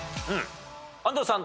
安藤さん